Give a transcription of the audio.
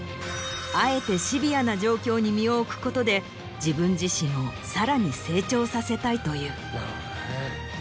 あえてシビアな状況に身を置くことで自分自身をさらに成長させたいという。